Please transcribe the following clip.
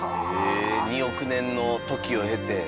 ２億年の時を経て。